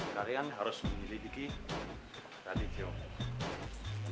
kalian harus menyelidiki tradisional